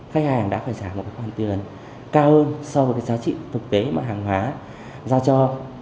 khách hàng đã phải trả một khoản tiền cao hơn so với cái giá trị thực tế mà hàng hóa giao cho